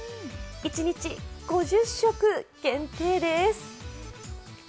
一日５０食限定です。